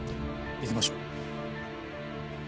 行きましょう。